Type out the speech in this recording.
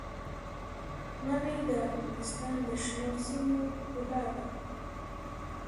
منی د افغانستان د شنو سیمو ښکلا ده.